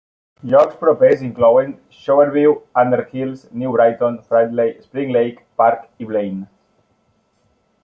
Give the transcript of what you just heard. Llocs propers inclouen Shoreview, Arden Hills, New Brighton, Fridley, Spring Lake Park i Blaine.